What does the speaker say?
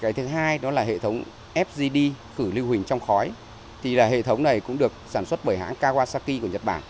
cái thứ hai đó là hệ thống fgd khử lưu hình trong khói thì là hệ thống này cũng được sản xuất bởi hãng kawasaki của nhật bản